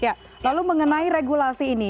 ya lalu mengenai regulasi ini